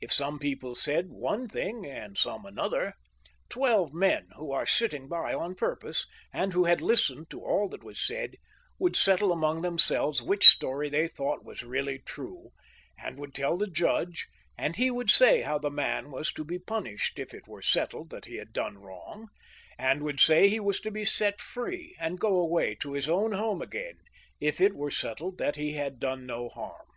If some people said one thing, and some another, twelve men who are sitting by on purpose, and who had listened to all that was said, would settle among them selves which story they thought was really true, and would teU the judge, and he would say how the man was to be punished if it were settled that he had done wrong, and would say he was to be set free and go away to his own XIX.] LOUIS IX. {SAINT LOUIS). 121 home again if it were settled that he had done no harm.